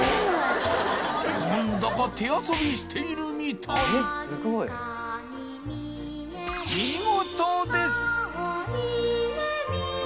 なんだか手遊びしているみたい見事です！